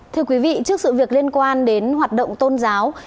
thưa quý vị trước sự việc liên quan đến hoạt động tôn giáo